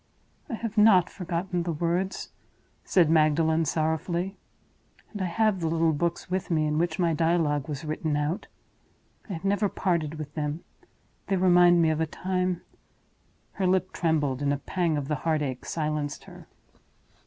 '" "I have not forgotten the words," said Magdalen, sorrowfully; "and I have the little books with me in which my dialogue was written out. I have never parted with them; they remind me of a time—" Her lip trembled, and a pang of the heart ache silenced her.